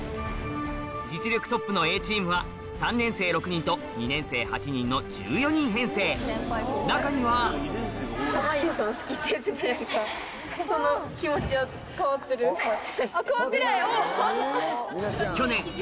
実力トップのＡチームは３年生６人と２年生８人の１４人編成中には変わってないおっ！